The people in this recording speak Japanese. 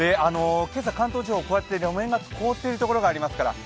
今朝、関東地方、こうやって路面が凍ってるところがあります。